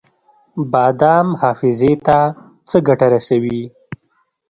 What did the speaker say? بادام حافظې ته څه ګټه رسوي؟